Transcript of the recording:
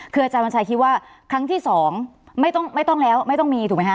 คืออาจารย์วันชัยคิดว่าครั้งที่สองไม่ต้องแล้วไม่ต้องมีถูกไหมคะ